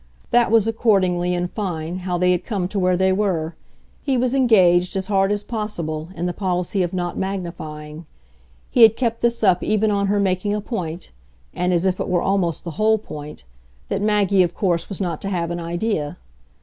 That was accordingly, in fine, how they had come to where they were: he was engaged, as hard as possible, in the policy of not magnifying. He had kept this up even on her making a point and as if it were almost the whole point that Maggie of course was not to have an idea.